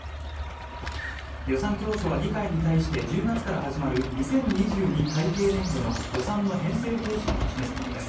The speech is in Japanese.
予算教書は議会に対して、１０月から始まる２０２２会計年度の予算の編成方針を示すものです。